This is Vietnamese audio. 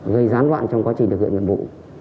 gây gián đoạn trong quá trình thực hiện nhiệm vụ